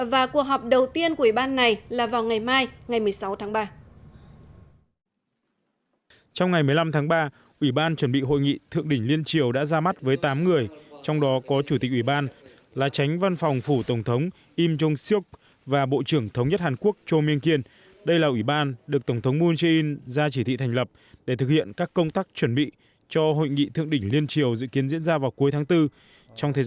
và cuộc họp đầu tiên của ủy ban này là vào ngày mai ngày một mươi sáu tháng ba